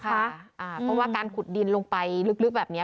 เพราะว่าการขุดดินลงไปลึกแบบนี้